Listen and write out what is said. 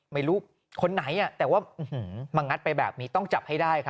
ไม่รู้คนไหนแต่ว่ามางัดไปแบบนี้ต้องจับให้ได้ครับ